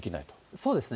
そうですね。